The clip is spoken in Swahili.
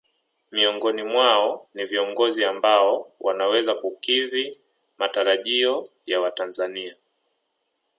Miongoni mwao ni viongozi ambao wanaweza kukidhi matarajio ya watanzania